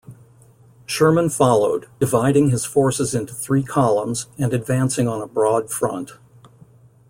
Sherman followed, dividing his forces into three columns, and advancing on a broad front.